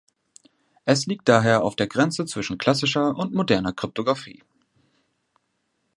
Es liegt daher auf der Grenze zwischen klassischer und moderner Kryptografie.